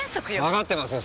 わかってますよ